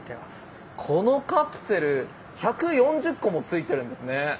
このカプセル１４０個もついてるんですね。